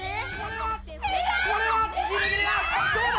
これはギリギリだ！